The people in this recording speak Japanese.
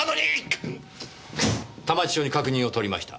田町署に確認を取りました。